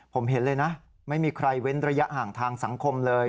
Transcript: ผมเห็นเลยนะไม่มีใครเว้นระยะห่างทางสังคมเลย